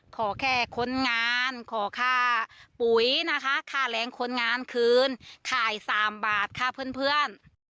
ขอแค่คนงานขอค่าปุ๋ยนะคะค่าแรงคนงานคืนขาย๓บาทค่าเพื่อน